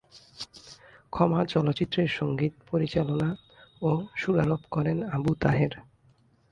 ক্ষমা চলচ্চিত্রের সঙ্গীত পরিচালনা ও সুরারোপ করেন আবু তাহের।